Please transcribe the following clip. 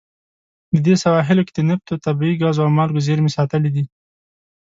د دې سواحلو کې د نفتو، طبیعي ګازو او مالګو زیرمې ساتلې دي.